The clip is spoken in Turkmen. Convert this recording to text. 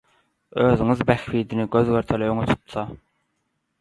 özüniň bähbidini göz-görtele öňe tutsa